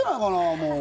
もう。